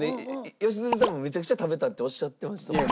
良純さんもめちゃくちゃ食べたっておっしゃってましたもんね。